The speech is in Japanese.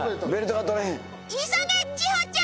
急げ千穂ちゃん！